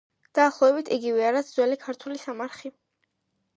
დაახლოებით იგივეა, რაც ძველი ქართული სამარხი.